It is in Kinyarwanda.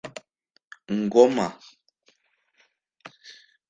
Ngoma